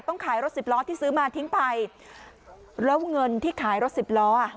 ขายรถสิบล้อที่ซื้อมาทิ้งไปแล้วเงินที่ขายรถสิบล้ออ่ะ